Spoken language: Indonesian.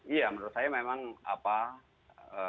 ya menurut saya memang apa ini perlu dilakukan